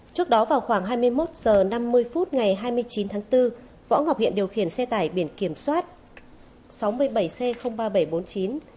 trước đó vào khoảng hai mươi một h năm mươi phút ngày hai mươi chín tháng bốn võ ngọc hiện điều khiển xe tải biển kiểm soát sáu mươi bảy c ba nghìn bảy trăm bốn mươi chín